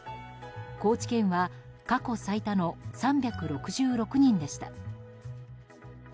高知県は過去最多の３６６人でした。